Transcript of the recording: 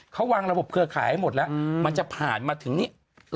เขาวางระบบเครือข่ายให้หมดแล้วมันจะผ่านมาถึงนี้